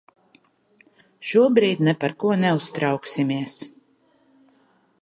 Šobrīd ne par ko neuztrauksimies.